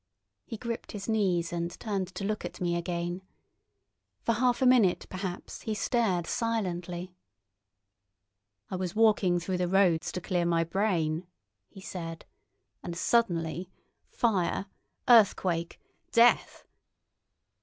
He gripped his knees and turned to look at me again. For half a minute, perhaps, he stared silently. "I was walking through the roads to clear my brain," he said. "And suddenly—fire, earthquake, death!"